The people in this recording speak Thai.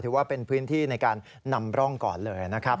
ถือว่าเป็นพื้นที่ในการนำร่องก่อนเลยนะครับ